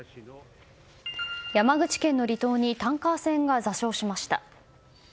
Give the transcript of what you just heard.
山口県の離島にタンカー船が座礁しました。